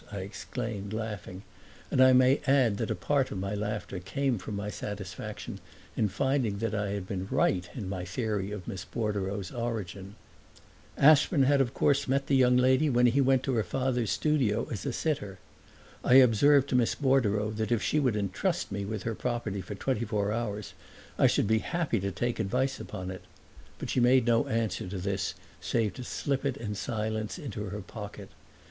I exclaimed, laughing; and I may add that a part of my laughter came from my satisfaction in finding that I had been right in my theory of Miss Bordereau's origin. Aspern had of course met the young lady when he went to her father's studio as a sitter. I observed to Miss Bordereau that if she would entrust me with her property for twenty four hours I should be happy to take advice upon it; but she made no answer to this save to slip it in silence into her pocket.